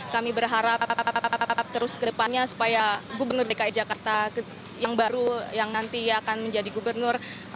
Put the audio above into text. kami berharap terus ke depannya supaya gubernur dki jakarta yang baru yang nanti akan menjadi gubernur